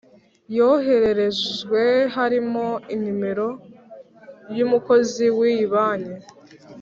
yohererejwe harimo nimero y’umukozi w’iyi banki